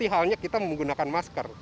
halnya kita menggunakan masker